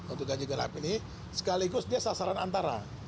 untuk ganjil genap ini sekaligus dia sasaran antara